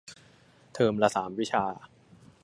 เทอมละสามวิชา